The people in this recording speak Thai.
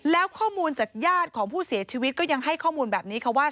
แล้วข้อมูลจากญาติของผู้เสียชีวิตก็ยังให้ข้อมูลแบบนี้ค่ะว่า